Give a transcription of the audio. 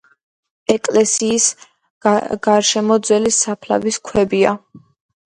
ეკლესიის გარშემო ძველი საფლავის ქვებია.